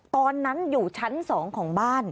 ตอนนั้นอยู่ชั้น๒ของบ้าน